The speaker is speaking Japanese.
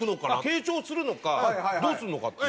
継承するのかどうするのかって。